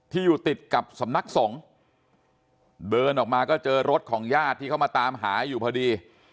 อยู่ติดกับสำนักสงฆ์เดินออกมาก็เจอรถของญาติที่เขามาตามหาอยู่พอดี